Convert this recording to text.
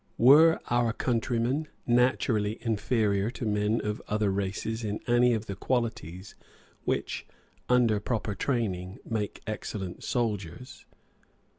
Were our countrymen naturally inferior to men of other races in any of the qualities which, under proper training, make excellent soldiers?